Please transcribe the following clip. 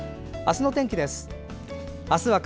あすの天気です。